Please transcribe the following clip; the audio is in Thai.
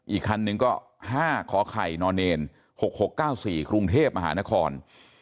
อีกคันนึงก็๕ขอไข่น๖๖๙๔กรุงเทพมหานคร